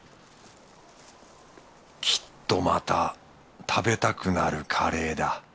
きっとまた食べたくなるカレーだ。